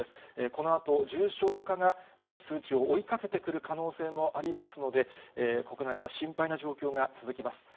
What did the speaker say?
このあと、重症化が数値を追いかけてくる可能性もありますので、国内では心配な状況が続きます。